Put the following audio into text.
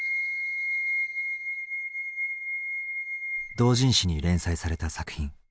同人誌に連載された作品。